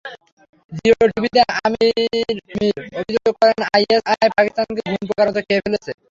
জিয়ো টিভিতে আমির মির অভিযোগ করেন, আইএসআই পাকিস্তানকে ঘুণপোকার মতো খেয়ে ফেলছে।